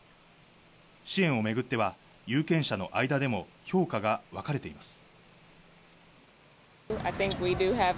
支援をめぐっては有権者の間でも評価がわかれています。